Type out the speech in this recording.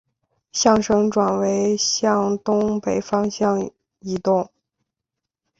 象神转为向东北方向移动。